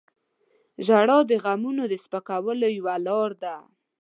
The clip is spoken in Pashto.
• ژړا د غمونو د سپکولو یوه لاره ده.